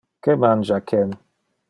Que mangia Ken?